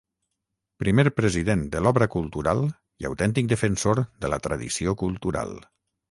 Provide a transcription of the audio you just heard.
primer president de l'Obra Cultural i autèntic defensor de la tradició cultural